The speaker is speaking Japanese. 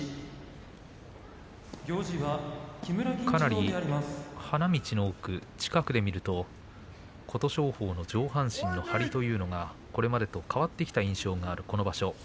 かなり花道の奥近くで見ると琴勝峰の上半身の張りというのはこれまでと変わってきた印象がある、この場所。